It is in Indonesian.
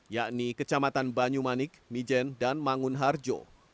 yakni kecamatan banyumanik mijen dan mangunharjo